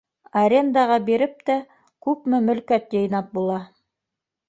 Арендаға биреп тә күпме мөлкәт йыйнап була.